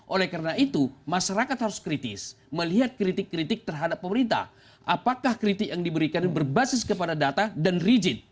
oleh karena itu masyarakat harus kritis melihat kritik kritik terhadap pemerintah apakah kritik yang diberikan berbasis kepada data dan rigid